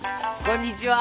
こんにちは。